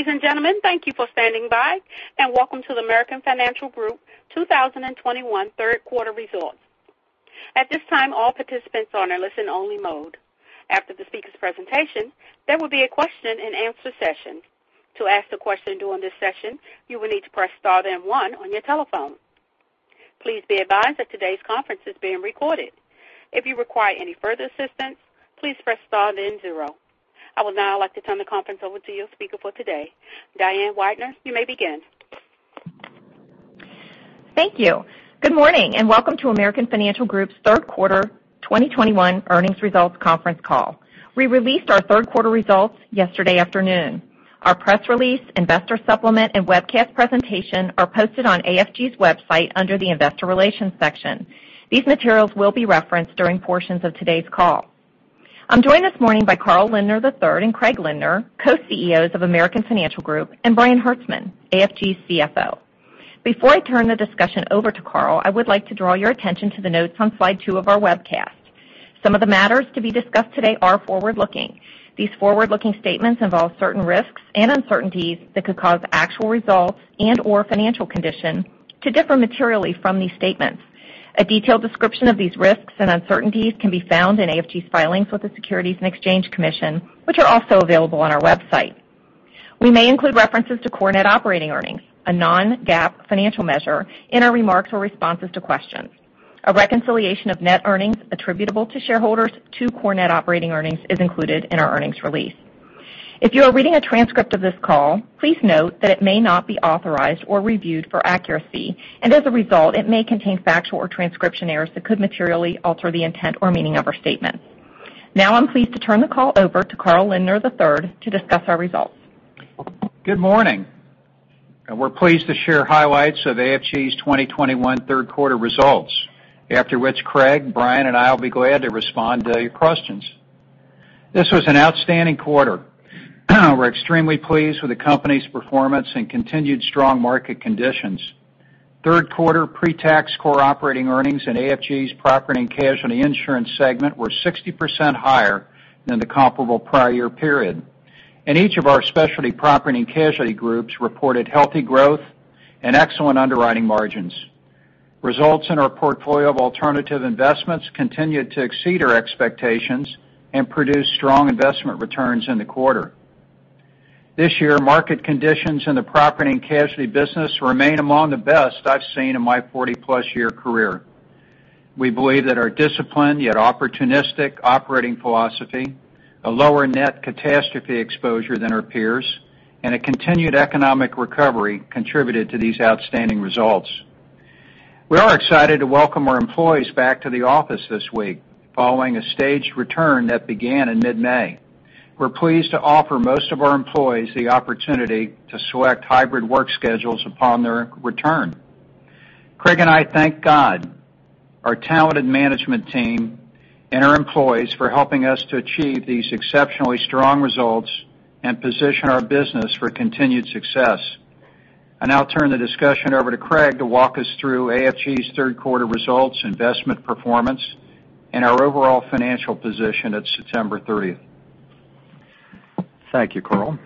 Ladies and gentlemen, thank you for standing by, and welcome to the American Financial Group 2021 third quarter results. At this time, all participants are in listen only mode. After the speaker's presentation, there will be a question and answer session. To ask the question during this session, you will need to press star then one on your telephone. Please be advised that today's conference is being recorded. If you require any further assistance, please press star then zero. I would now like to turn the conference over to your speaker for today. Diane Weidner, you may begin. Thank you. Good morning, and welcome to American Financial Group's third quarter 2021 earnings results conference call. We released our third quarter results yesterday afternoon. Our press release, investor supplement, and webcast presentation are posted on AFG's website under the investor relations section. These materials will be referenced during portions of today's call. I'm joined this morning by Carl Lindner III and Craig Lindner, co-CEOs of American Financial Group, and Brian Hertzman, AFG's CFO. Before I turn the discussion over to Carl, I would like to draw your attention to the notes on slide two of our webcast. Some of the matters to be discussed today are forward-looking. These forward-looking statements involve certain risks and uncertainties that could cause actual results and/or financial condition to differ materially from these statements. A detailed description of these risks and uncertainties can be found in AFG's filings with the Securities and Exchange Commission, which are also available on our website. We may include references to core net operating earnings, a non-GAAP financial measure, in our remarks or responses to questions. A reconciliation of net earnings attributable to shareholders to core net operating earnings is included in our earnings release. If you are reading a transcript of this call, please note that it may not be authorized or reviewed for accuracy, and as a result, it may contain factual or transcription errors that could materially alter the intent or meaning of our statement. Now I'm pleased to turn the call over to Carl Lindner III to discuss our results. Good morning, and we're pleased to share highlights of AFG's 2021 third quarter results. After which, Craig, Brian, and I will be glad to respond to your questions. This was an outstanding quarter. We're extremely pleased with the company's performance and continued strong market conditions. Third quarter pre-tax core operating earnings in AFG's Property and Casualty Insurance segment were 60% higher than the comparable prior year period. Each of our specialty property and casualty groups reported healthy growth and excellent underwriting margins. Results in our portfolio of alternative investments continued to exceed our expectations and produced strong investment returns in the quarter. This year, market conditions in the property and casualty business remain among the best I've seen in my 40-plus-year career. We believe that our discipline, yet opportunistic operating philosophy, a lower net catastrophe exposure than our peers, and a continued economic recovery contributed to these outstanding results. We are excited to welcome our employees back to the office this week following a staged return that began in mid-May. We're pleased to offer most of our employees the opportunity to select hybrid work schedules upon their return. Craig and I thank God, our talented management team, and our employees for helping us to achieve these exceptionally strong results and position our business for continued success. I now turn the discussion over to Craig to walk us through AFG's third quarter results, investment performance, and our overall financial position at September 30th. Thank you, Carl.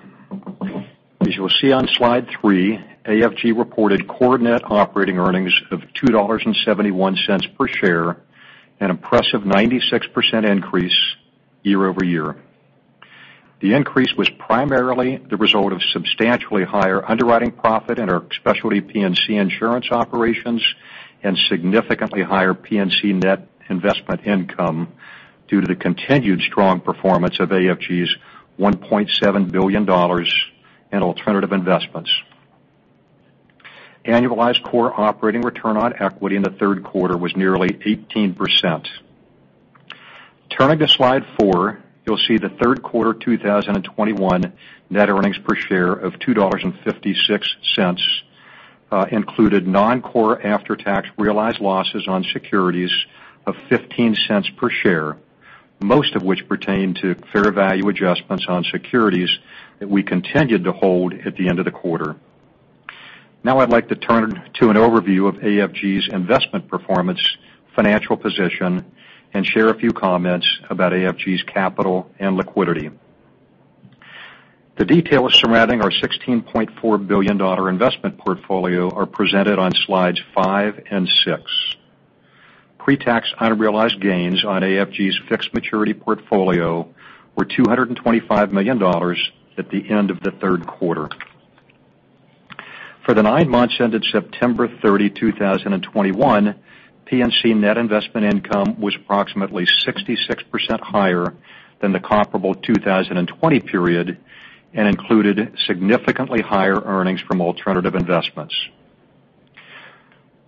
As you'll see on slide three, AFG reported core net operating earnings of $2.71 per share, an impressive 96% increase year-over-year. The increase was primarily the result of substantially higher underwriting profit in our specialty P&C insurance operations and significantly higher P&C net investment income due to the continued strong performance of AFG's $1.7 billion in alternative investments. Annualized core operating return on equity in the third quarter was nearly 18%. Turning to slide four, you'll see the third quarter 2021 net earnings per share of $2.56 included non-core after-tax realized losses on securities of $0.15 per share, most of which pertain to fair value adjustments on securities that we continued to hold at the end of the quarter. I'd like to turn to an overview of AFG's investment performance, financial position, and share a few comments about AFG's capital and liquidity. The details surrounding our $16.4 billion investment portfolio are presented on slides five and six. Pre-tax unrealized gains on AFG's fixed maturity portfolio were $225 million at the end of the third quarter. For the nine months ended September 30, 2021, P&C net investment income was approximately 66% higher than the comparable 2020 period and included significantly higher earnings from alternative investments.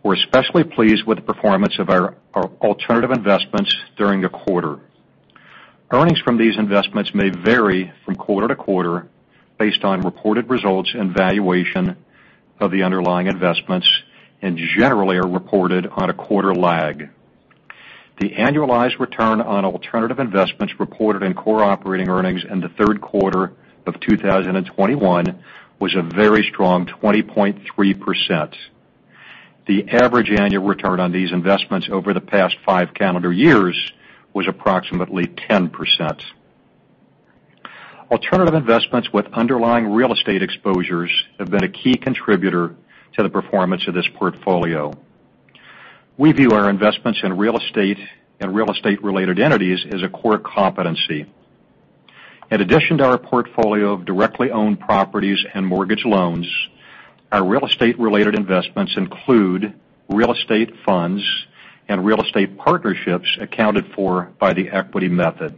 We're especially pleased with the performance of our alternative investments during the quarter. Earnings from these investments may vary from quarter to quarter based on reported results and valuation of the underlying investments and generally are reported on a quarter lag. The annualized return on alternative investments reported in core operating earnings in the third quarter of 2021 was a very strong 20.3%. The average annual return on these investments over the past five calendar years was approximately 10%. Alternative investments with underlying real estate exposures have been a key contributor to the performance of this portfolio. We view our investments in real estate and real estate related entities as a core competency. In addition to our portfolio of directly owned properties and mortgage loans, our real estate related investments include real estate funds and real estate partnerships accounted for by the equity method.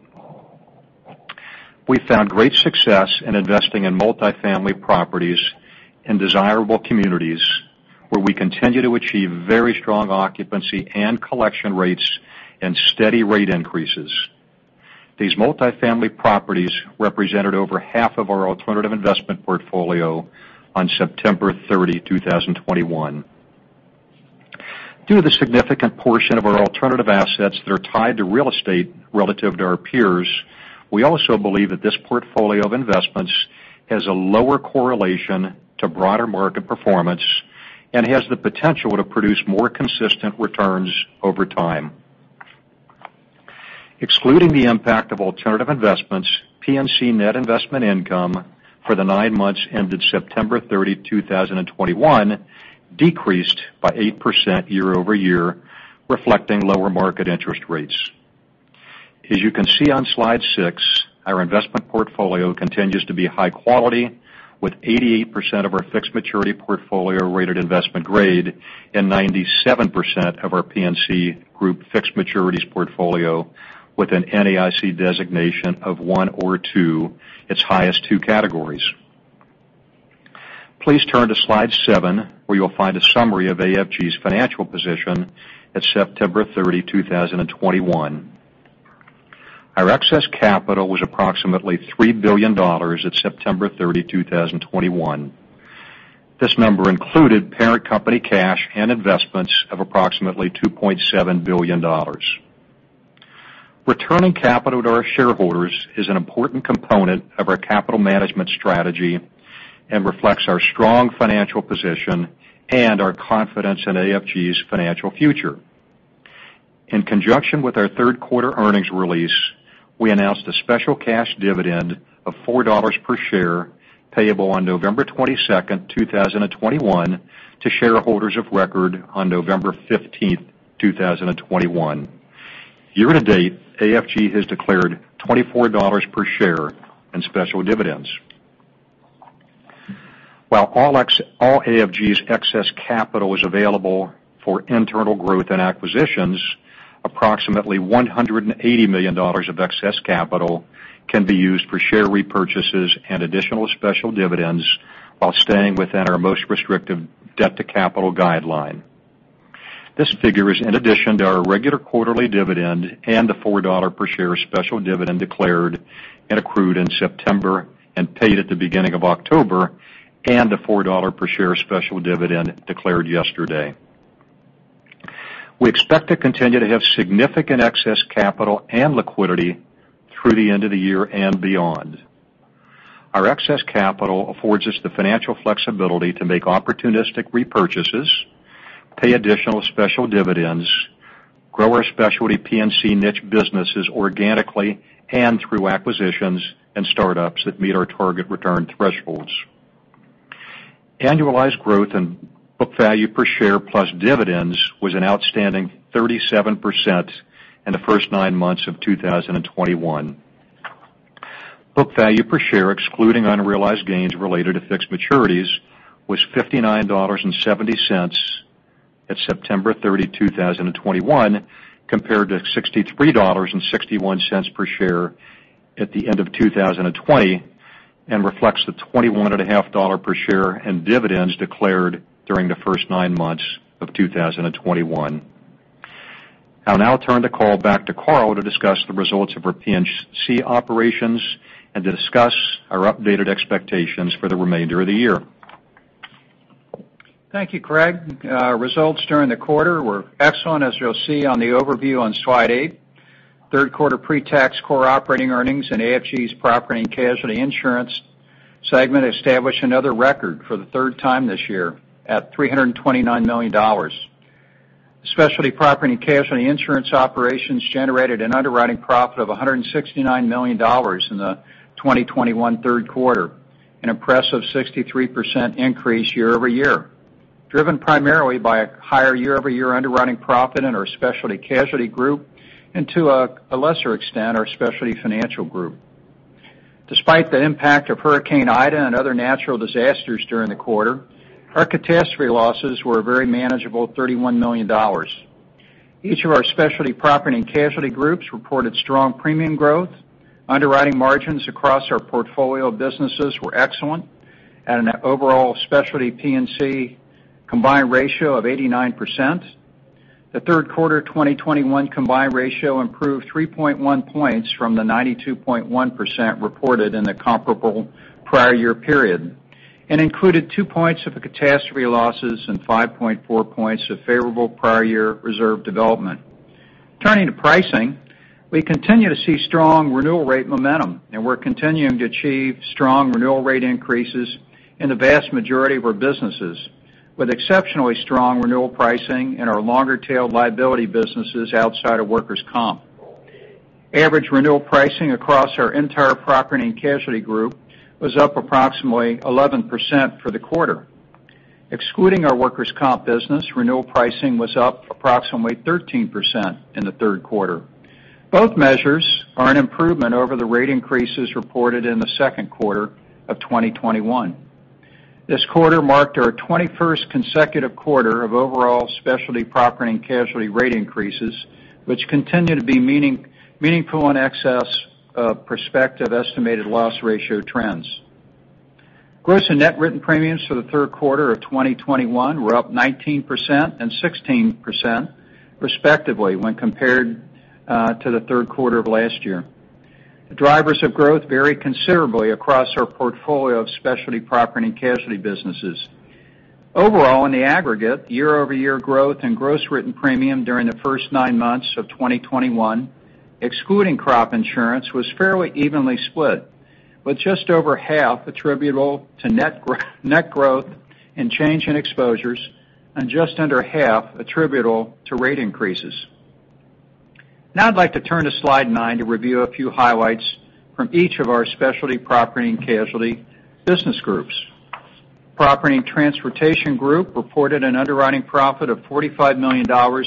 We found great success in investing in multifamily properties in desirable communities, where we continue to achieve very strong occupancy and collection rates and steady rate increases. These multifamily properties represented over half of our alternative investment portfolio on September 30, 2021. Due to the significant portion of our alternative assets that are tied to real estate relative to our peers, we also believe that this portfolio of investments has a lower correlation to broader market performance and has the potential to produce more consistent returns over time. Excluding the impact of alternative investments, P&C net investment income for the nine months ended September 30, 2021, decreased by 8% year-over-year, reflecting lower market interest rates. As you can see on slide six, our investment portfolio continues to be high quality with 88% of our fixed maturity portfolio rated investment-grade, and 97% of our P&C Group fixed maturities portfolio with an NAIC designation of 1 or 2, its highest two categories. Please turn to slide seven, where you'll find a summary of AFG's financial position at September 30, 2021. Our excess capital was approximately $3 billion at September 30, 2021. This number included parent company cash and investments of approximately $2.7 billion. Returning capital to our shareholders is an important component of our capital management strategy and reflects our strong financial position and our confidence in AFG's financial future. In conjunction with our third quarter earnings release, we announced a special cash dividend of $4 per share, payable on November 22, 2021, to shareholders of record on November 15, 2021. Year-to-date, AFG has declared $24 per share in special dividends. While all AFG's excess capital is available for internal growth and acquisitions, approximately $180 million of excess capital can be used for share repurchases and additional special dividends while staying within our most restrictive debt to capital guideline. This figure is in addition to our regular quarterly dividend and the $4 per share special dividend declared and accrued in September and paid at the beginning of October, a $4 per share special dividend declared yesterday. We expect to continue to have significant excess capital and liquidity through the end of the year and beyond. Our excess capital affords us the financial flexibility to make opportunistic repurchases, pay additional special dividends, grow our Specialty P&C niche businesses organically and through acquisitions and startups that meet our target return thresholds. Annualized growth in book value per share plus dividends was an outstanding 37% in the first nine months of 2021. Book value per share, excluding unrealized gains related to fixed maturities, was $59.70 at September 30, 2021, compared to $63.61 per share at the end of 2020 and reflects the $21.5 per share in dividends declared during the first nine months of 2021. I'll now turn the call back to Carl to discuss the results of our P&C operations and to discuss our updated expectations for the remainder of the year. Thank you, Craig. Results during the quarter were excellent, as you'll see on the overview on slide eight. Third quarter pre-tax core operating earnings in AFG's Property and Casualty Insurance segment established another record for the third time this year at $329 million. Specialty Property and Casualty Insurance operations generated an underwriting profit of $169 million in the 2021 third quarter, an impressive 63% increase year-over-year, driven primarily by a higher year-over-year underwriting profit in our Specialty Casualty Group and, to a lesser extent, our Specialty Financial group. Despite the impact of Hurricane Ida and other natural disasters during the quarter, our catastrophe losses were a very manageable $31 million. Each of our Specialty Property and Casualty groups reported strong premium growth. Underwriting margins across our portfolio of businesses were excellent at an overall Specialty P&C combined ratio of 89%. The third quarter 2021 combined ratio improved 3.1 points from the 92.1% reported in the comparable prior year period and included two points of catastrophe losses and 5.4 points of favorable prior year reserve development. Turning to pricing, we continue to see strong renewal rate momentum. We're continuing to achieve strong renewal rate increases in the vast majority of our businesses, with exceptionally strong renewal pricing in our longer-tail liability businesses outside of workers' comp. Average renewal pricing across our entire Property and Casualty group was up approximately 11% for the quarter. Excluding our workers' comp business, renewal pricing was up approximately 13% in the third quarter. Both measures are an improvement over the rate increases reported in the second quarter of 2021. This quarter marked our 21st consecutive quarter of overall Specialty Property and Casualty rate increases, which continue to be meaningful in excess of prospective estimated loss ratio trends. Gross and net written premiums for the third quarter of 2021 were up 19% and 16%, respectively, when compared to the third quarter of last year. The drivers of growth vary considerably across our portfolio of Specialty Property and Casualty businesses. Overall, in the aggregate, year-over-year growth in gross written premium during the first nine months of 2021, excluding crop insurance, was fairly evenly split, with just over half attributable to net growth in change in exposures and just under half attributable to rate increases. Now I'd like to turn to slide nine to review a few highlights from each of our Specialty Property and Casualty business groups. Property and Transportation Group reported an underwriting profit of $45 million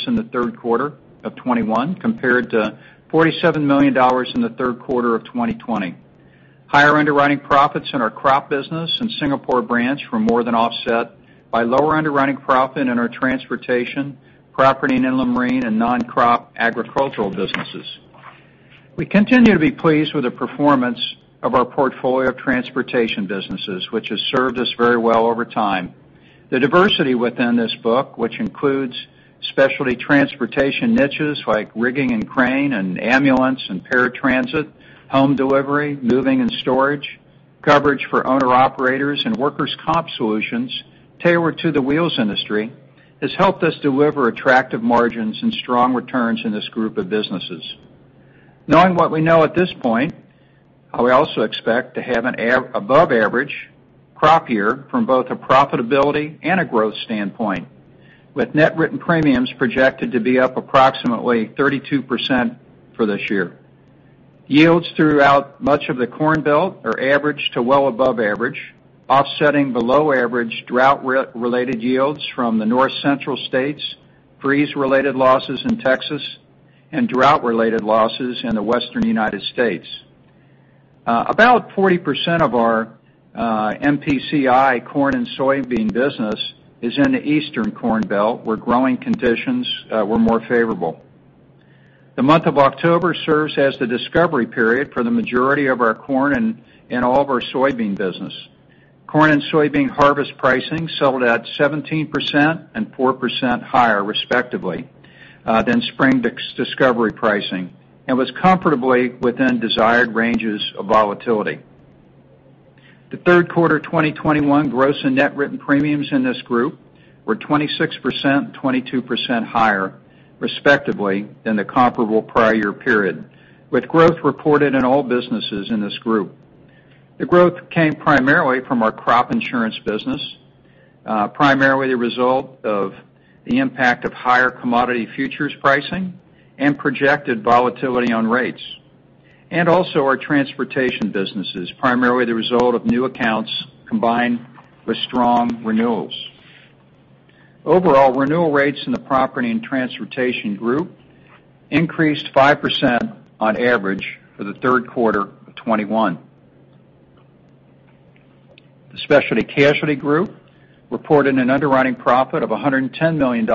in the third quarter of 2021, compared to $47 million in the third quarter of 2020. Higher underwriting profits in our crop business and Singapore Branch were more than offset by lower underwriting profit in our transportation, property and inland marine, and non-crop agricultural businesses. We continue to be pleased with the performance of our portfolio of transportation businesses, which has served us very well over time. The diversity within this book, which includes specialty transportation niches like rigging and crane and ambulance and paratransit, home delivery, moving and storage, coverage for owner-operators, and workers' comp solutions tailored to the wheels industry, has helped us deliver attractive margins and strong returns in this group of businesses. Knowing what we know at this point, we also expect to have an above-average crop year from both a profitability and a growth standpoint, with net written premiums projected to be up approximately 32% for this year. Yields throughout much of the Corn Belt are average to well above average, offsetting below-average drought-related yields from the North Central states, freeze-related losses in Texas, and drought-related losses in the Western U.S. About 40% of our MPCI corn and soybean business is in the Eastern Corn Belt, where growing conditions were more favorable. The month of October serves as the discovery period for the majority of our corn and all of our soybean business. Corn and soybean harvest pricing settled at 17% and 4% higher, respectively, than spring discovery pricing, and was comfortably within desired ranges of volatility. The third quarter 2021 gross and net written premiums in this group were 26% and 22% higher, respectively, than the comparable prior year period, with growth reported in all businesses in this group. The growth came primarily from our crop insurance business, primarily the result of the impact of higher commodity futures pricing and projected volatility on rates, and also our transportation businesses, primarily the result of new accounts combined with strong renewals. Overall, renewal rates in the Property and Transportation Group increased 5% on average for the third quarter of 2021. The Specialty Casualty Group reported an underwriting profit of $110 million in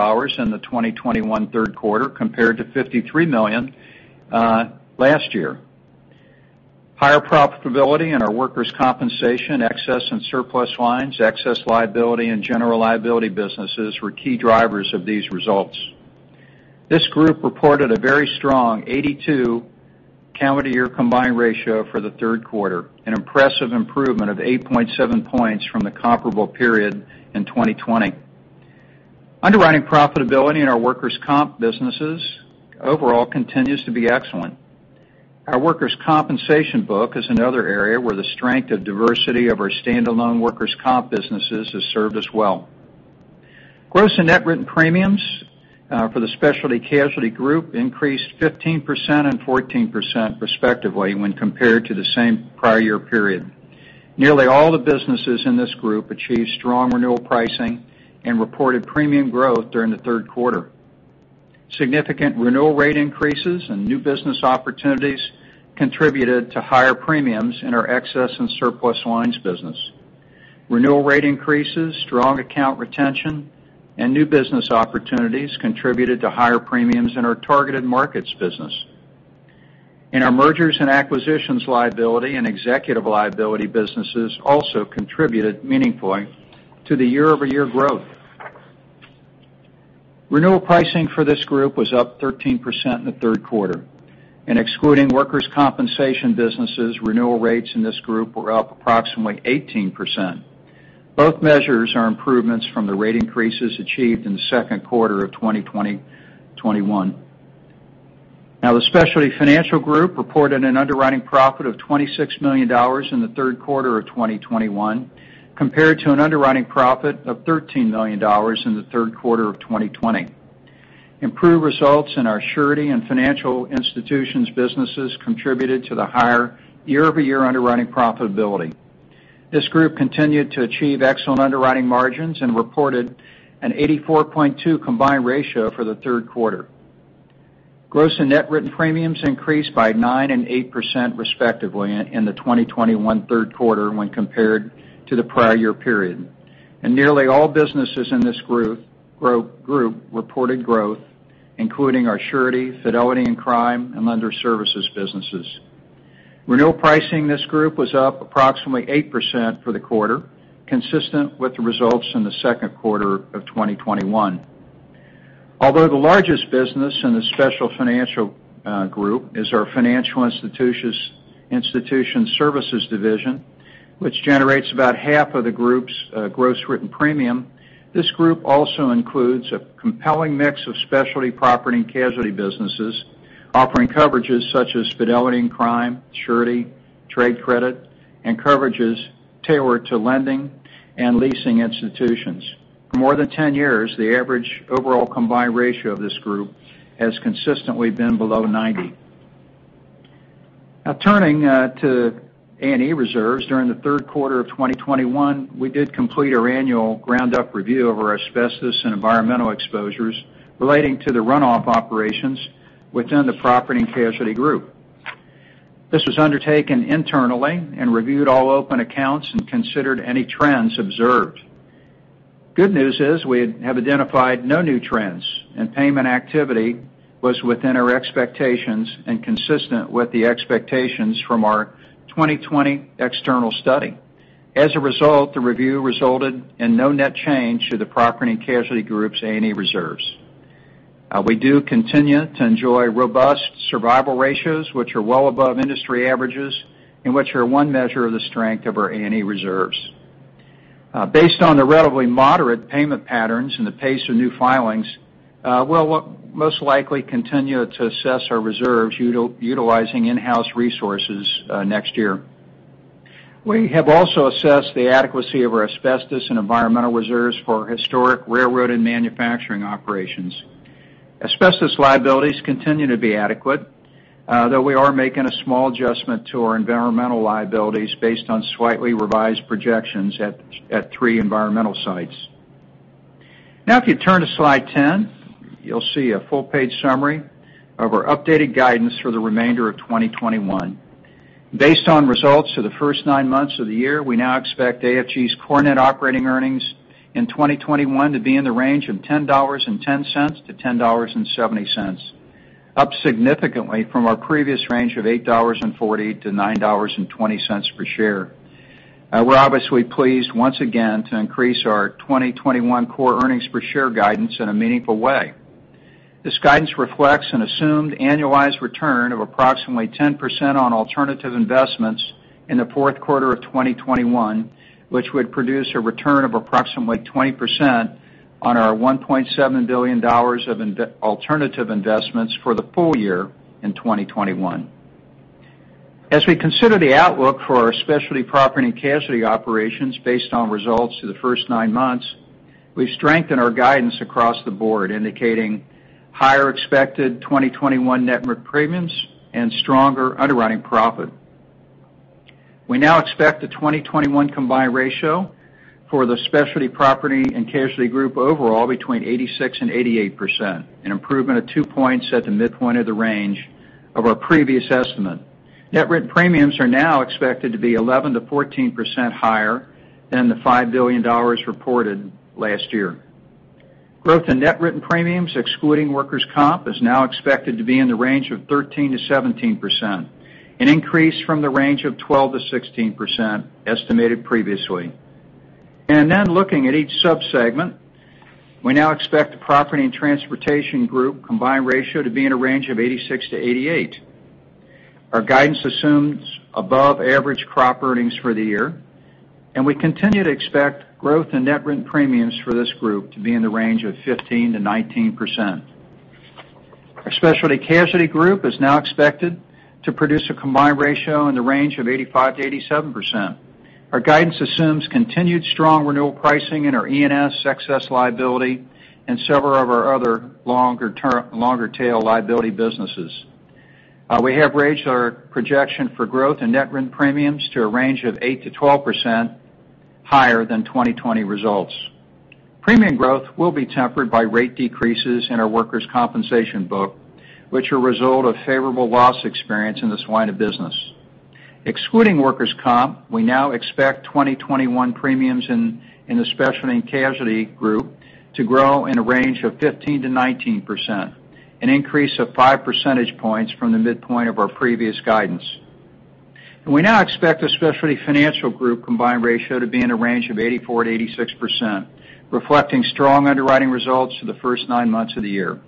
the 2021 third quarter, compared to $53 million last year. Higher profitability in our workers' compensation, excess and surplus lines, excess liability, and general liability businesses were key drivers of these results. This group reported a very strong 82 calendar year combined ratio for the third quarter, an impressive improvement of 8.7 points from the comparable period in 2020. Underwriting profitability in our workers' comp businesses overall continues to be excellent. Our workers' compensation book is another area where the strength of diversity of our standalone workers' comp businesses has served us well. Gross and net written premiums for the Specialty Casualty Group increased 15% and 14%, respectively, when compared to the same prior year period. Nearly all the businesses in this group achieved strong renewal pricing and reported premium growth during the third quarter. Significant renewal rate increases and new business opportunities contributed to higher premiums in our excess and surplus lines business. Renewal rate increases, strong account retention, and new business opportunities contributed to higher premiums in our targeted markets business. Our mergers and acquisitions liability and executive liability businesses also contributed meaningfully to the year-over-year growth. Renewal pricing for this group was up 13% in the third quarter, and excluding workers' compensation businesses, renewal rates in this group were up approximately 18%. Both measures are improvements from the rate increases achieved in the second quarter of 2021. The Specialty Financial Group reported an underwriting profit of $26 million in the third quarter of 2021, compared to an underwriting profit of $13 million in the third quarter of 2020. Improved results in our surety and financial institutions businesses contributed to the higher year-over-year underwriting profitability. This group continued to achieve excellent underwriting margins and reported an 84.2 combined ratio for the third quarter. Gross and net written premiums increased by 9% and 8% respectively in the 2021 third quarter when compared to the prior year period. Nearly all businesses in this group reported growth, including our surety, fidelity and crime, and lender services businesses. Renewal pricing in this group was up approximately 8% for the quarter, consistent with the results in the second quarter of 2021. Although the largest business in the Specialty Financial Group is our Financial Institution Services division, which generates about half of the group's gross written premium, this group also includes a compelling mix of Specialty Property and Casualty businesses, offering coverages such as fidelity and crime, surety, trade credit, and coverages tailored to lending and leasing institutions. For more than 10 years, the average overall combined ratio of this group has consistently been below 90. Turning to A&E reserves. During the third quarter of 2021, we did complete our annual ground-up review of our asbestos and environmental exposures relating to the runoff operations within the Property and Casualty group. This was undertaken internally and reviewed all open accounts and considered any trends observed. Good news is we have identified no new trends, and payment activity was within our expectations and consistent with the expectations from our 2020 external study. As a result, the review resulted in no net change to the Property and Casualty group's A&E reserves. We do continue to enjoy robust survival ratios, which are well above industry averages and which are one measure of the strength of our A&E reserves. Based on the relatively moderate payment patterns and the pace of new filings, we'll most likely continue to assess our reserves utilizing in-house resources next year. We have also assessed the adequacy of our asbestos and environmental reserves for historic railroad and manufacturing operations. Asbestos liabilities continue to be adequate, though we are making a small adjustment to our environmental liabilities based on slightly revised projections at three environmental sites. If you turn to slide 10, you'll see a full-page summary of our updated guidance for the remainder of 2021. Based on results for the first nine months of the year, we now expect AFG's core net operating earnings in 2021 to be in the range of $10.10 to $10.70, up significantly from our previous range of $8.40 to $9.20 per share. We're obviously pleased once again to increase our 2021 core earnings per share guidance in a meaningful way. This guidance reflects an assumed annualized return of approximately 10% on alternative investments in the fourth quarter of 2021, which would produce a return of approximately 20% on our $1.7 billion of alternative investments for the full year in 2021. We consider the outlook for our Specialty Property and Casualty operations based on results for the first nine months, we've strengthened our guidance across the board, indicating higher expected 2021 net written premiums and stronger underwriting profit. We now expect the 2021 combined ratio for the Specialty Property and Casualty Group overall between 86% and 88%, an improvement of two points at the midpoint of the range of our previous estimate. Net written premiums are now expected to be 11%-14% higher than the $5 billion reported last year. Growth in net written premiums, excluding workers' comp, is now expected to be in the range of 13%-17%, an increase from the range of 12%-16% estimated previously. Looking at each subsegment, we now expect the Property and Transportation Group combined ratio to be in a range of 86%-88%. Our guidance assumes above-average crop earnings for the year. We continue to expect growth in net written premiums for this group to be in the range of 15%-19%. Our Specialty Casualty Group is now expected to produce a combined ratio in the range of 85%-87%. Our guidance assumes continued strong renewal pricing in our E&S excess liability and several of our other longer tail liability businesses. We have raised our projection for growth in net written premiums to a range of 8%-12% higher than 2020 results. Premium growth will be tempered by rate decreases in our workers' compensation book, which are a result of favorable loss experience in this line of business. Excluding workers' comp, we now expect 2021 premiums in the Specialty and Casualty Group to grow in a range of 15%-19%, an increase of five percentage points from the midpoint of our previous guidance. We now expect the Specialty Financial Group combined ratio to be in a range of 84%-86%, reflecting strong underwriting results for the first nine months of the year.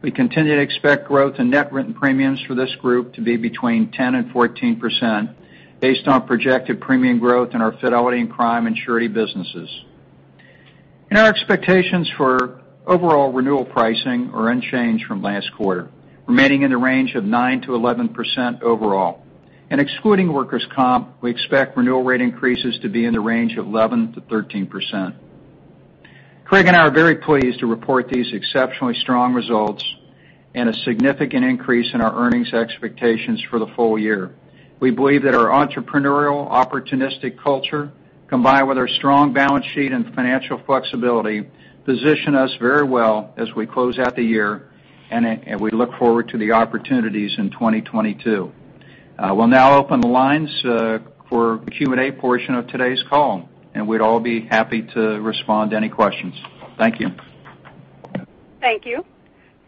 We continue to expect growth in net written premiums for this group to be between 10% and 14%, based on projected premium growth in our fidelity and crime and surety businesses. Our expectations for overall renewal pricing are unchanged from last quarter, remaining in the range of 9%-11% overall. Excluding workers' comp, we expect renewal rate increases to be in the range of 11%-13%. Craig and I are very pleased to report these exceptionally strong results and a significant increase in our earnings expectations for the full year. We believe that our entrepreneurial, opportunistic culture, combined with our strong balance sheet and financial flexibility, position us very well as we close out the year. We look forward to the opportunities in 2022. I will now open the lines for the Q&A portion of today's call. We'd all be happy to respond to any questions. Thank you. Thank you.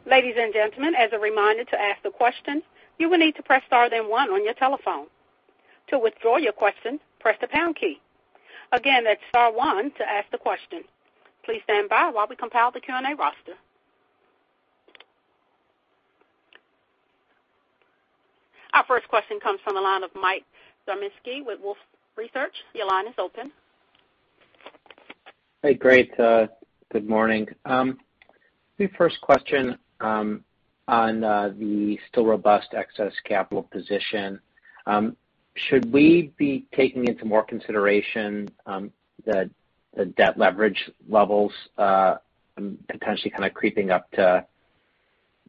Ladies and gentlemen, as a reminder, to ask the question, you will need to press star then one on your telephone. To withdraw your question, press the pound key. Again, that's star one to ask the question. Please stand by while we compile the Q&A roster. Our first question comes from the line of Michael Zaremski with Wolfe Research. Your line is open. Hey, great. Good morning. The first question on the still robust excess capital position. Should we be taking into more consideration the debt leverage levels potentially kind of creeping up to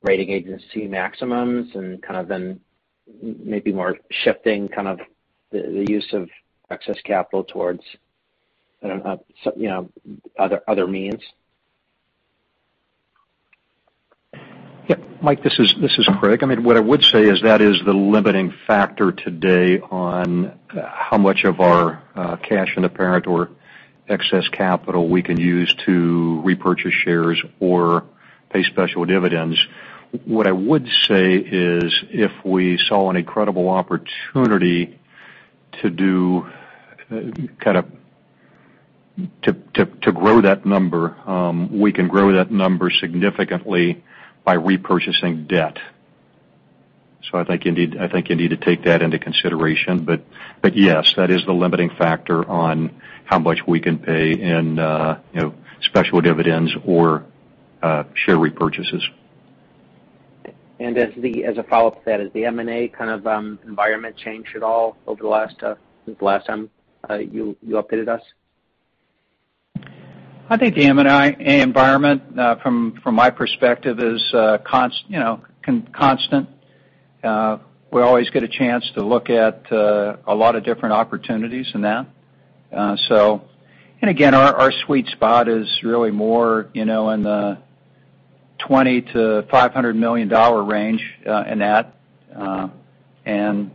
rating agency maximums and kind of then maybe more shifting the use of excess capital towards other means? Yeah. Mike, this is Craig. What I would say is that is the limiting factor today on how much of our cash in the parent or excess capital we can use to repurchase shares or pay special dividends. What I would say is if we saw an incredible opportunity to grow that number, we can grow that number significantly by repurchasing debt. I think you need to take that into consideration. Yes, that is the limiting factor on how much we can pay in special dividends or share repurchases. As a follow-up to that, has the M&A kind of environment changed at all over the last time you updated us? I think the M&A environment, from my perspective, is constant. We always get a chance to look at a lot of different opportunities in that. Again, our sweet spot is really more in the $20 million-$500 million range in that, and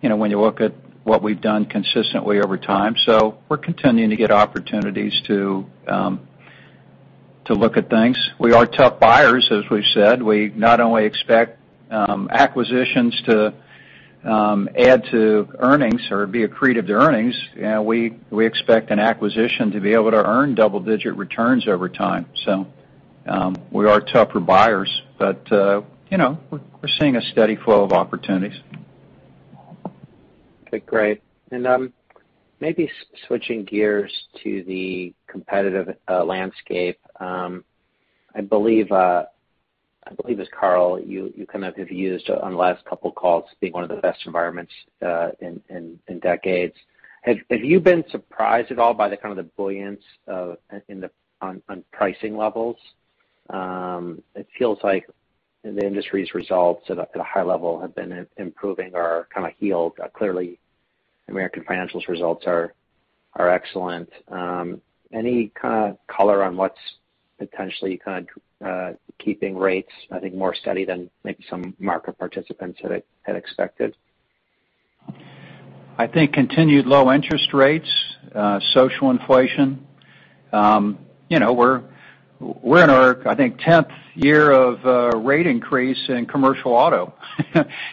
when you look at what we've done consistently over time. We're continuing to get opportunities to look at things. We are tough buyers, as we've said. We not only expect acquisitions to add to earnings or be accretive to earnings, we expect an acquisition to be able to earn double-digit returns over time. We are tougher buyers, we're seeing a steady flow of opportunities. Okay, great. Maybe switching gears to the competitive landscape. I believe it's Carl, you kind of have used on the last couple of calls, it being one of the best environments in decades. Have you been surprised at all by the kind of the buoyancy on pricing levels? It feels like in the industry's results at a high level have been improving or kind of healed. Clearly, American Financial's results are excellent. Any kind of color on what's potentially kind of keeping rates, I think, more steady than maybe some market participants had expected? I think continued low interest rates, social inflation. We're in our, I think, 10th year of a rate increase in commercial auto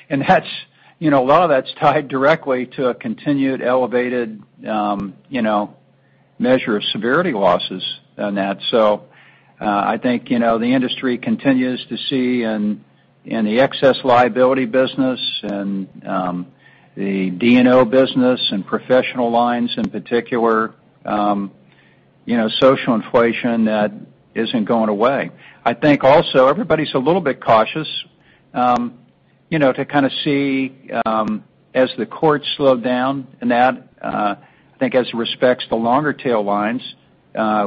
and a lot of that's tied directly to a continued elevated measure of severity losses on that. I think the industry continues to see in the excess liability business and the D&O business and professional lines in particular, social inflation that isn't going away. I think also everybody's a little bit cautious to kind of see as the courts slow down and that, I think as it respects the longer tailwinds, I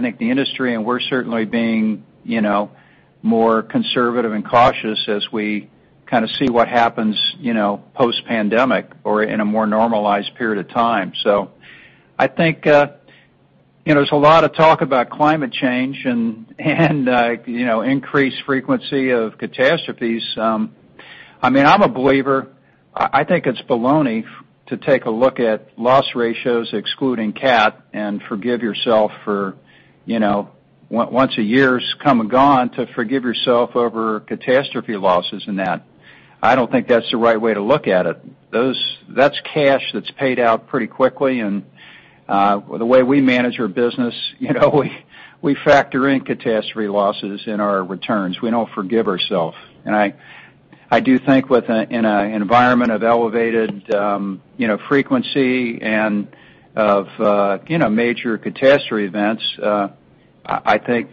think the industry and we're certainly being more conservative and cautious as we kind of see what happens post-pandemic or in a more normalized period of time. I think there's a lot of talk about climate change and increased frequency of catastrophes. I'm a believer. I think it's baloney to take a look at loss ratios excluding cat and forgive yourself for once a year's come and gone to forgive yourself over catastrophe losses and that. I don't think that's the right way to look at it. That's cash that's paid out pretty quickly. The way we manage our business, we factor in catastrophe losses in our returns. We don't forgive ourself. I do think in an environment of elevated frequency and of major catastrophe events, I think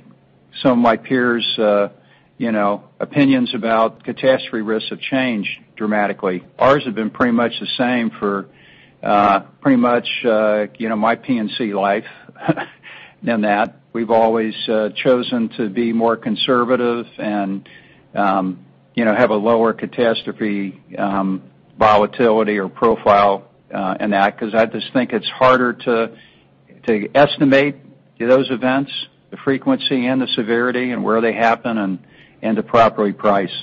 some of my peers' opinions about catastrophe risks have changed dramatically. Ours have been pretty much the same for pretty much my P&C life than that. We've always chosen to be more conservative and have a lower catastrophe volatility or profile in that, because I just think it's harder to estimate those events, the frequency and the severity, and where they happen, and to properly price.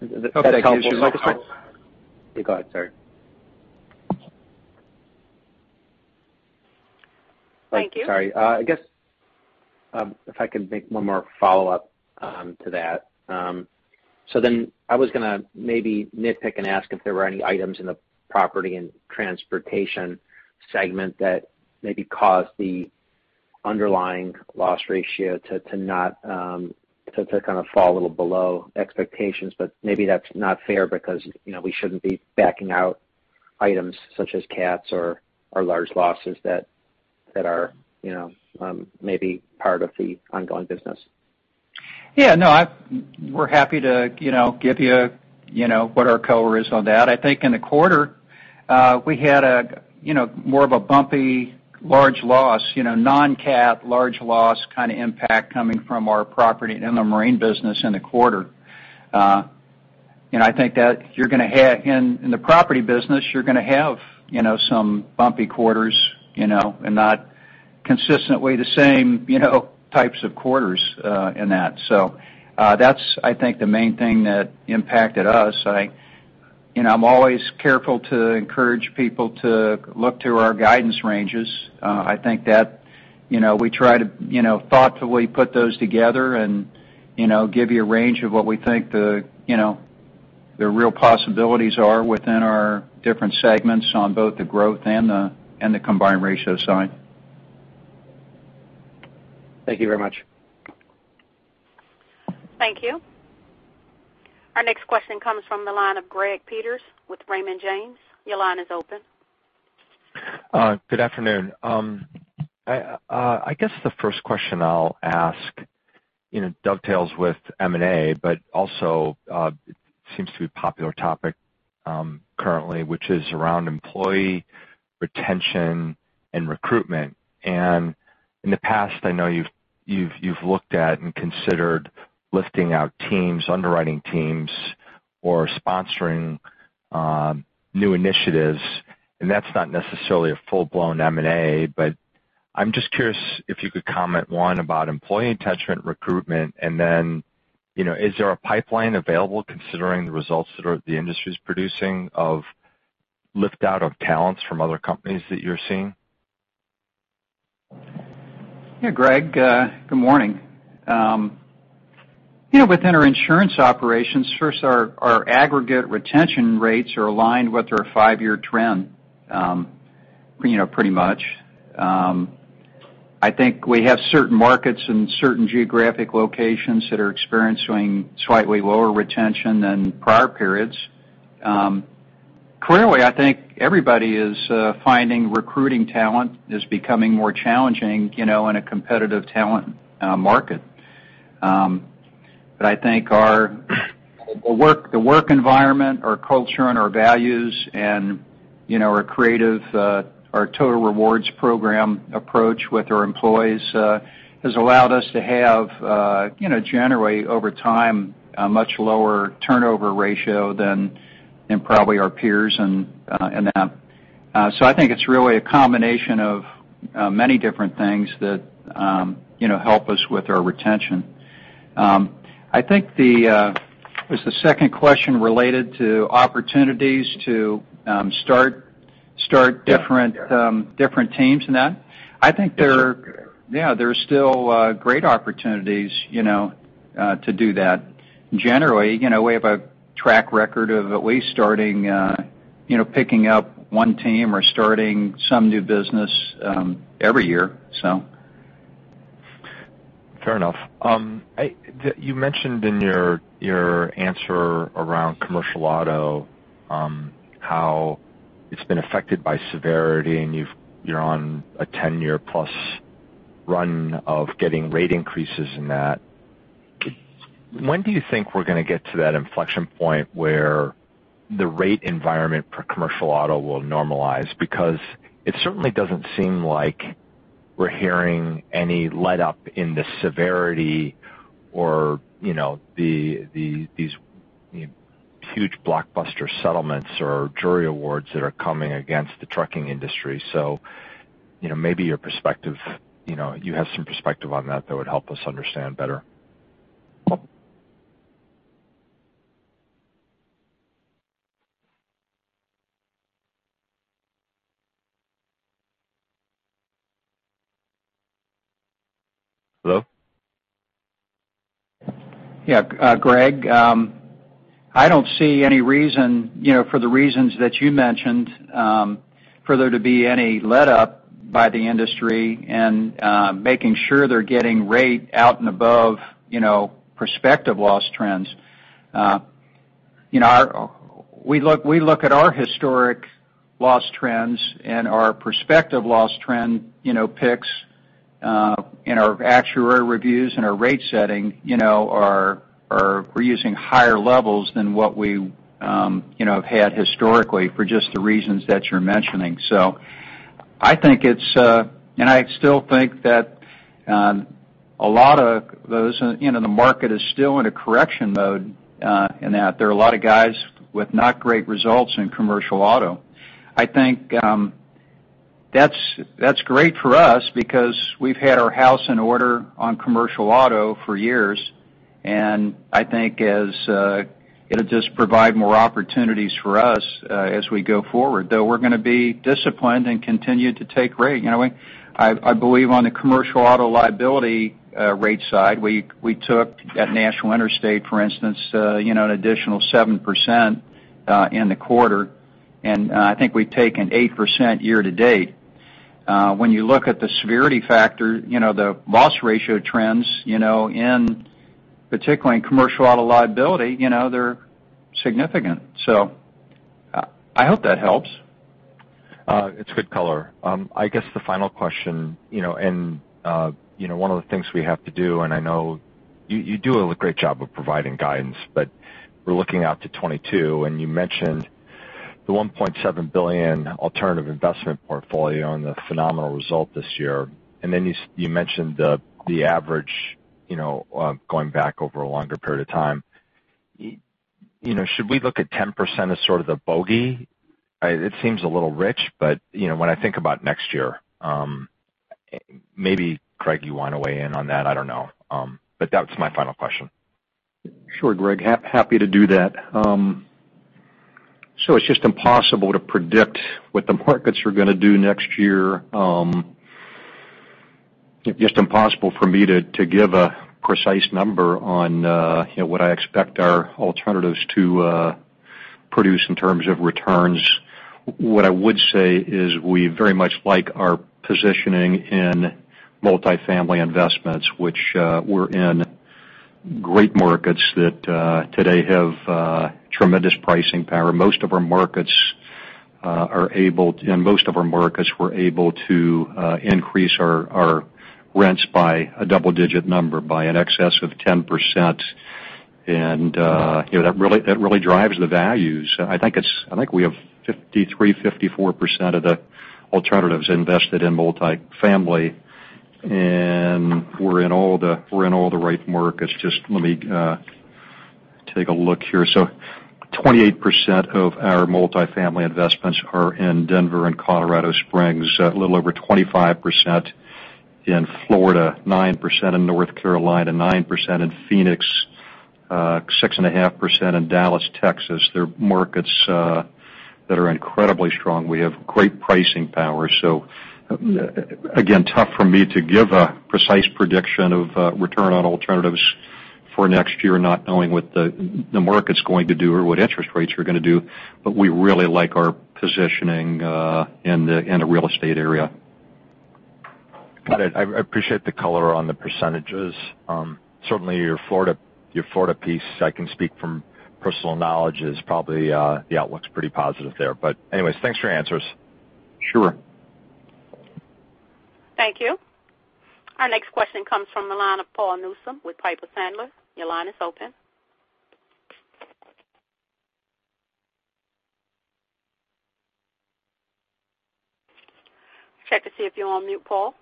Okay. If that helps at all. Go ahead, sorry. Thank you. Sorry. I guess if I can make one more follow-up to that. I was going to maybe nitpick and ask if there were any items in the Property and Transportation segment that maybe caused the underlying loss ratio to kind of fall a little below expectations. Maybe that's not fair because we shouldn't be backing out items such as cats or large losses that are maybe part of the ongoing business. No, we're happy to give you what our COR is on that. I think in the quarter, we had more of a bumpy large loss, non-cat large loss kind of impact coming from our property and inland marine business in the quarter. I think that in the property business, you're going to have some bumpy quarters, and not consistently the same types of quarters in that. That's, I think, the main thing that impacted us. I'm always careful to encourage people to look to our guidance ranges. I think that we try to thoughtfully put those together and give you a range of what we think the real possibilities are within our different segments on both the growth and the combined ratio side. Thank you very much. Thank you. Our next question comes from the line of Gregory Peters with Raymond James. Your line is open. Good afternoon. I guess the first question I'll ask dovetails with M&A, also it seems to be a popular topic currently, which is around employee retention and recruitment. In the past, I know you've looked at and considered lifting out teams, underwriting teams, or sponsoring new initiatives, and that's not necessarily a full-blown M&A. I'm just curious if you could comment, one, about employee attachment recruitment, and then is there a pipeline available considering the results that the industry's producing of lift-out of talents from other companies that you're seeing? Yeah, Greg, good morning. Within our insurance operations, first, our aggregate retention rates are aligned with our five-year trend, pretty much. I think we have certain markets and certain geographic locations that are experiencing slightly lower retention than prior periods. Clearly, I think everybody is finding recruiting talent is becoming more challenging in a competitive talent market. I think the work environment, our culture and our values, and our creative, our total rewards program approach with our employees has allowed us to have, generally over time, a much lower turnover ratio than in probably our peers in that. I think the second question related to opportunities to start different teams in that? Yes. I think there are still great opportunities to do that. Generally, we have a track record of at least starting, picking up one team or starting some new business every year, so. Fair enough. You mentioned in your answer around commercial auto how it's been affected by severity, and you're on a 10-year-plus run of getting rate increases in that. When do you think we're going to get to that inflection point where the rate environment for commercial auto will normalize? It certainly doesn't seem like we're hearing any letup in the severity or these huge blockbuster settlements or jury awards that are coming against the trucking industry. Maybe you have some perspective on that would help us understand better. Hello? Yeah, Greg, I don't see any reason, for the reasons that you mentioned, for there to be any letup by the industry in making sure they're getting rate out and above prospective loss trends. We look at our historic loss trends, and our prospective loss trend picks in our actuary reviews and our rate setting, we're using higher levels than what we have had historically for just the reasons that you're mentioning. I still think that the market is still in a correction mode, in that there are a lot of guys with not great results in commercial auto. I think that's great for us because we've had our house in order on commercial auto for years, and I think it'll just provide more opportunities for us as we go forward. Though we're going to be disciplined and continue to take rate. I believe on the commercial auto liability rate side, we took at National Interstate, for instance, an additional 7% in the quarter, and I think we've taken 8% year to date. When you look at the severity factor, the loss ratio trends, particularly in commercial auto liability, they're significant. I hope that helps. It's good color. I guess the final question, one of the things we have to do, and I know you do a great job of providing guidance, we're looking out to 2022, and you mentioned the $1.7 billion alternative investment portfolio and the phenomenal result this year. You mentioned the average going back over a longer period of time. Should we look at 10% as sort of the bogey? It seems a little rich, but when I think about next year. Maybe Craig, you want to weigh in on that? I don't know. That's my final question. Sure, Greg. Happy to do that. It's just impossible to predict what the markets are going to do next year. Just impossible for me to give a precise number on what I expect our alternatives to produce in terms of returns. What I would say is we very much like our positioning in multifamily investments, which we're in great markets that today have tremendous pricing power. In most of our markets, we're able to increase our rents by a double digit number, by in excess of 10%. That really drives the values. I think we have 53%, 54% of the alternatives invested in multifamily, and we're in all the right markets. Just let me take a look here. 28% of our multifamily investments are in Denver and Colorado Springs, a little over 25% in Florida, 9% in North Carolina, 9% in Phoenix, 6.5% in Dallas, Texas. They're markets that are incredibly strong. We have great pricing power. Again, tough for me to give a precise prediction of return on alternatives for next year, not knowing what the market's going to do or what interest rates are going to do. We really like our positioning in the real estate area. Got it. I appreciate the color on the percentages. Certainly your Florida piece, I can speak from personal knowledge, the outlook's pretty positive there. Anyways, thanks for your answers. Sure. Thank you. Our next question comes from the line of Paul Newsome with Piper Sandler. Your line is open. Check to see if you're on mute, Paul.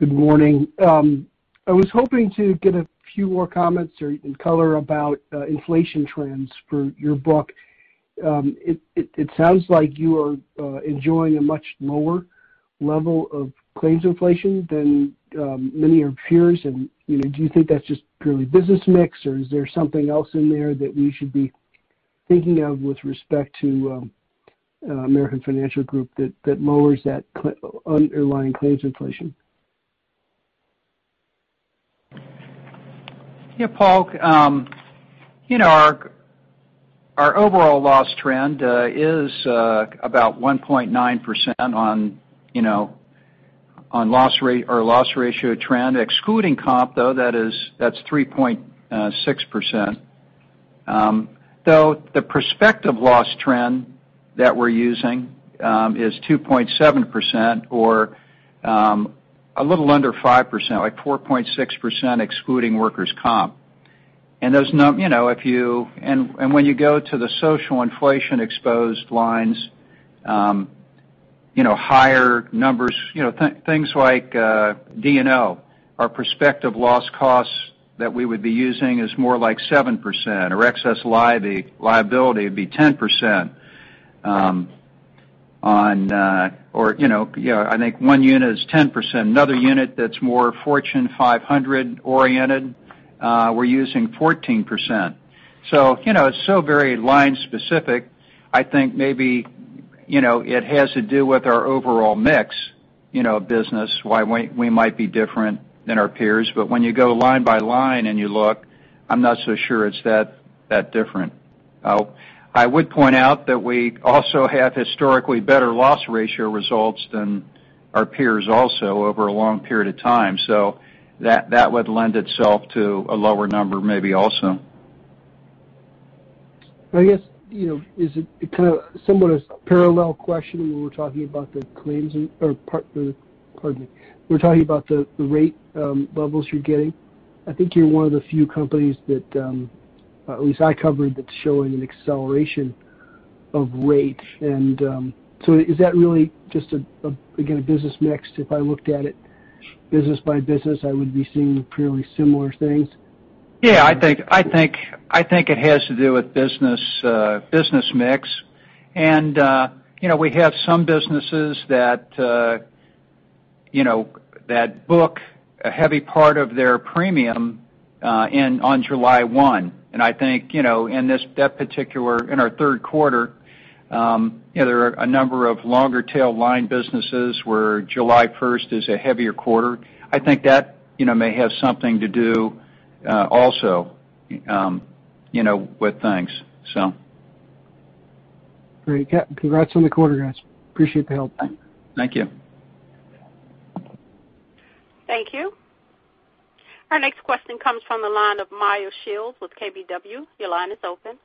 Good morning. I was hoping to get a few more comments or color about inflation trends for your book. It sounds like you are enjoying a much lower level of claims inflation than many of your peers. Do you think that's just purely business mix, or is there something else in there that we should be thinking of with respect to American Financial Group that lowers that underlying claims inflation? Yeah, Paul. Our overall loss trend is about 1.9% on loss ratio trend. Excluding comp, though, that's 3.6%. Though the prospective loss trend that we're using is 2.7%, or a little under 5%, like 4.6%, excluding workers' comp. When you go to the social inflation exposed lines, higher numbers, things like D&O, our prospective loss costs that we would be using is more like 7%, or excess liability would be 10%. I think one unit is 10%. Another unit that's more Fortune 500 oriented, we're using 14%. It's so very line specific. I think maybe it has to do with our overall mix business, why we might be different than our peers. When you go line by line and you look, I'm not so sure it's that different. I would point out that we also have historically better loss ratio results than our peers also over a long period of time. That would lend itself to a lower number maybe also. I guess, is it kind of somewhat a parallel question when we're talking about the claims or pardon me. We're talking about the rate levels you're getting. I think you're one of the few companies that, at least I covered, that's showing an acceleration of rate. Is that really just, again, a business mix if I looked at it business by business, I would be seeing fairly similar things? Yeah, I think it has to do with business mix. We have some businesses that book a heavy part of their premium on July 1. I think in our third quarter, there are a number of longer tail line businesses where July 1st is a heavier quarter. I think that may have something to do also with things. Great. Congrats on the quarter, guys. Appreciate the help. Thank you. Thank you. Our next question comes from the line of Meyer Shields with KBW. Your line is open.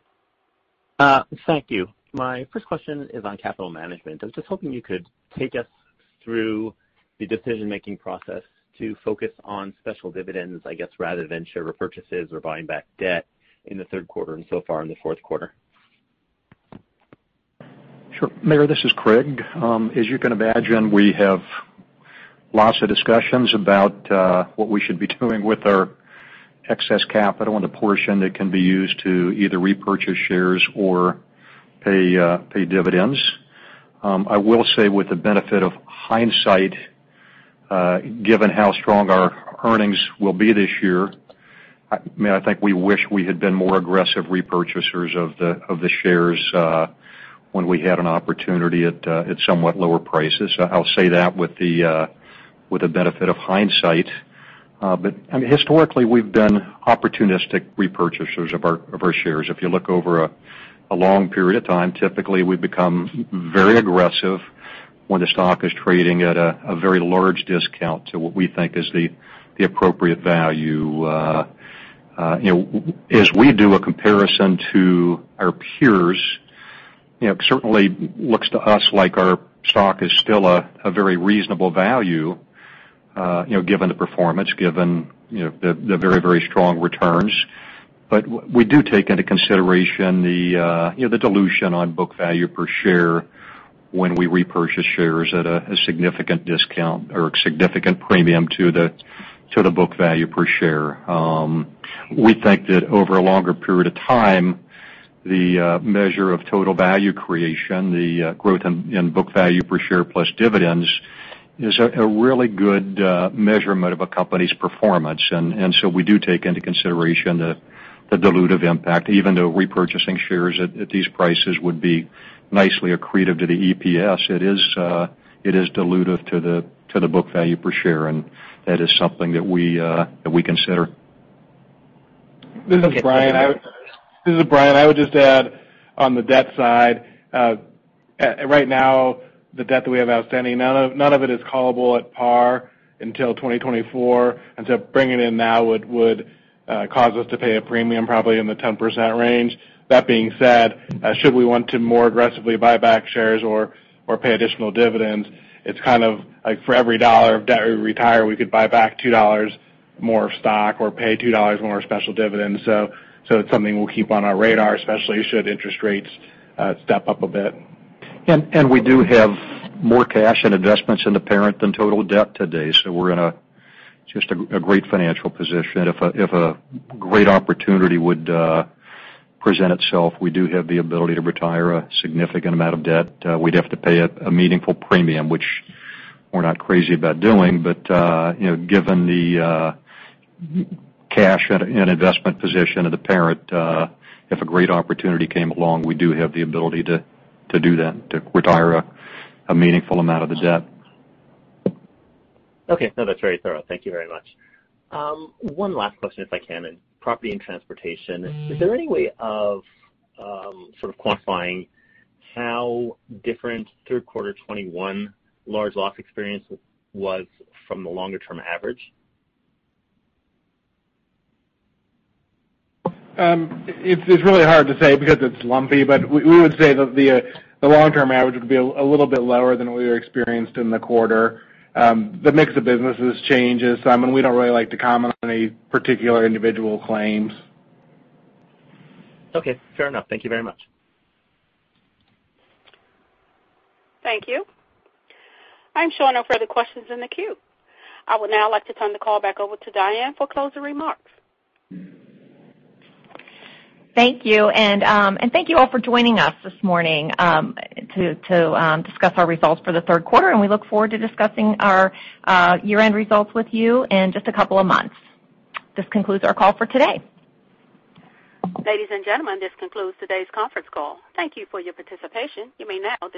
Thank you. My first question is on capital management. I was just hoping you could take us through the decision-making process to focus on special dividends, I guess, rather than share repurchases or buying back debt in the third quarter and so far in the fourth quarter. Sure. Meyer, this is Craig. As you can imagine, we have lots of discussions about what we should be doing with our excess capital and the portion that can be used to either repurchase shares or pay dividends. I will say with the benefit of hindsight, given how strong our earnings will be this year, I think we wish we had been more aggressive repurchasers of the shares when we had an opportunity at somewhat lower prices. I'll say that with the benefit of hindsight. Historically, we've been opportunistic repurchasers of our shares. If you look over a long period of time, typically, we become very aggressive when the stock is trading at a very large discount to what we think is the appropriate value. As we do a comparison to our peers, certainly looks to us like our stock is still a very reasonable value given the performance, given the very strong returns. We do take into consideration the dilution on book value per share when we repurchase shares at a significant discount or significant premium to the book value per share. We think that over a longer period of time, the measure of total value creation, the growth in book value per share plus dividends is a really good measurement of a company's performance. We do take into consideration the dilutive impact. Even though repurchasing shares at these prices would be nicely accretive to the EPS, it is dilutive to the book value per share, and that is something that we consider. This is Brian. I would just add on the debt side. Right now the debt that we have outstanding, none of it is callable at par until 2024. Bringing in now would cause us to pay a premium probably in the 10% range. That being said, should we want to more aggressively buy back shares or pay additional dividends, it's kind of like for every dollar of debt we retire, we could buy back $2 more of stock or pay $2 more special dividends. It's something we'll keep on our radar, especially should interest rates step up a bit. We do have more cash and investments in the parent than total debt to date. We're in just a great financial position. If a great opportunity would present itself, we do have the ability to retire a significant amount of debt. We'd have to pay a meaningful premium, which we're not crazy about doing. Given the cash and investment position of the parent, if a great opportunity came along, we do have the ability to do that, to retire a meaningful amount of the debt. Okay. No, that's very thorough. Thank you very much. One last question, if I can. In Property and Transportation, is there any way of sort of quantifying how different third quarter 2021 large loss experience was from the longer-term average? It's really hard to say because it's lumpy. We would say that the long-term average would be a little bit lower than what we experienced in the quarter. The mix of businesses changes. We don't really like to comment on any particular individual claims. Okay, fair enough. Thank you very much. Thank you. I'm showing no further questions in the queue. I would now like to turn the call back over to Diane for closing remarks. Thank you. Thank you all for joining us this morning to discuss our results for the third quarter, and we look forward to discussing our year-end results with you in just a couple of months. This concludes our call for today. Ladies and gentlemen, this concludes today's conference call. Thank you for your participation. You may now disconnect.